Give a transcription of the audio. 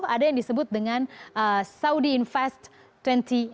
ada yang disebut dengan saudi invest dua puluh